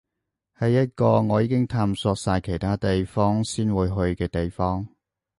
係一個我已經探索晒其他地方先會去嘅地方